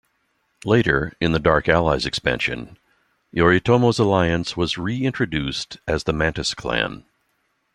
Later, in the "Dark Allies" expansion, Yoritomo's Alliance was re-introduced as the "Mantis Clan".